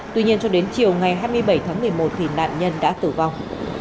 tuy nhiên cho đến chiều ngày hai mươi bảy tháng một mươi một nạn nhân đã tử vong